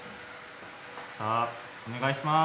さあお願いします。